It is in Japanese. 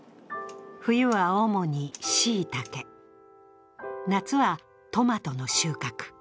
冬は主にしいたけ、夏はトマトの収穫。